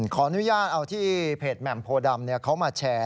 ขออนุญาตเอาที่เพจแหม่มโพดำเขามาแชร์